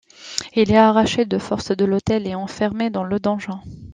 Il est arraché de force de l'autel et enfermé dans le donjon.